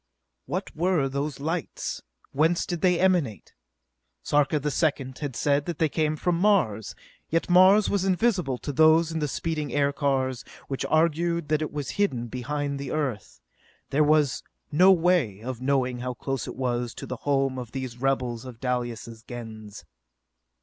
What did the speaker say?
What were those lights? Whence did they emanate? Sarka the Second had said that they came from Mars, yet Mars was invisible to those in the speeding aircars, which argued that it was hidden behind the Earth. There was no way of knowing how close it was to the home of these rebels of Dalis' Gens.